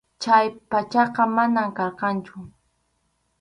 Chay pachaqa manam karqanchu.